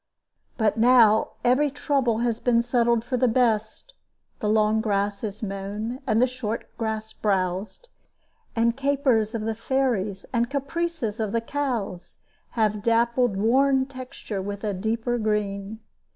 But now every trouble has been settled for the best; the long grass is mown, and the short grass browsed, and capers of the fairies and caprices of the cows have dappled worn texture with a deeper green.